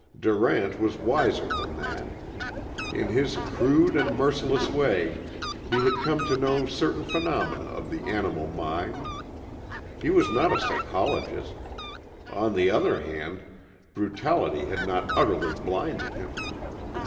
Durant was wiser than that. In his crude and merciless way he had come to know certain phenomena of the animal mind. He was not a psychologist; oh the other hand brutality had not utterly blinded him.